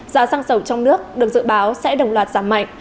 giá xăng dầu trong nước được dự báo sẽ đồng loạt giảm mạnh